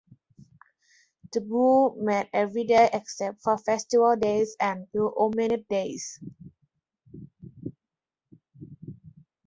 The "boule" met every day except for festival days and ill-omened days.